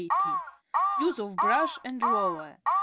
80 Use of brush and roller